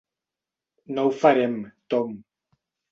No ho farem, Tom.